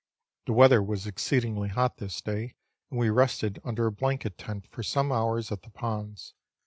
The weather was exceedingly hot this day, and we rested under a blanket tent for some hours at the ponds.